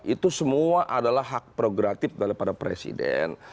itu semua adalah hak progratif daripada presiden